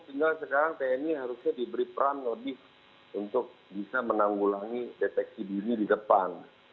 tinggal sekarang tni harusnya diberi peran lebih untuk bisa menanggulangi deteksi diri di depan